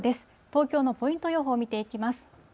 東京のポイント予報見ていきます。